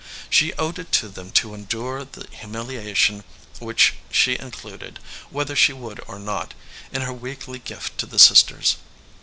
She owed it to them to endure the humiliation which she included whether she would or not in her weekly gift to the sisters.